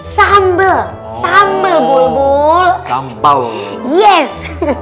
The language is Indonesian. sambel sambel bulbul sampel yes